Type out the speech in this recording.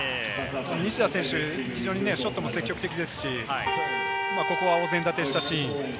西田選手、非常にショットも積極的ですし、ここはお膳立てしたシーン。